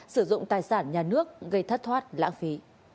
sử dụng tài sản nhà nước gây thất thoát lãng phí